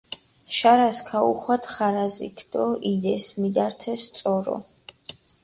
შარას ქაუხვადჷ ხარაზიქჷ დო იდეს, მიდართეს წორო.